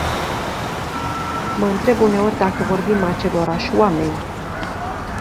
Mă întreb uneori dacă vorbim acelorași oameni.